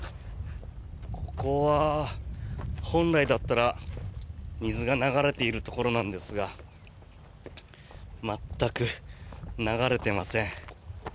ここは本来だったら水が流れているところなんですが全く流れていません。